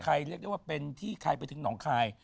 ใครเรียกกันว่าเป็นที่ใครไปถึงหนองคล์คลาน